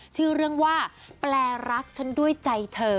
ชื่อเรื่องว่าแปลรักฉันด้วยใจเธอ